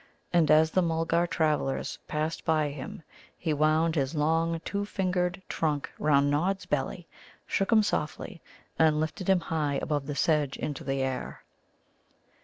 And as the Mulgar travellers passed him by, he wound his long, two fingered trunk round Nod's belly, shook him softly, and lifted him high above the sedge into the air.